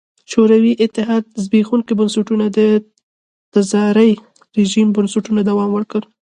شوروي اتحاد زبېښونکي بنسټونه د تزاري رژیم بنسټونو دوام و.